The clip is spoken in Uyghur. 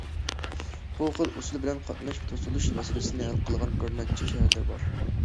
بۇ خىل ئۇسۇل بىلەن قاتناش توسۇلۇش مەسىلىسىنى ھەل قىلغان بىر نەچچە شەھەرلەر بار.